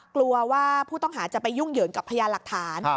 กลัวว่าผู้ต้องหาจะไปยุ่งเหยิงกับพยานหลักฐาน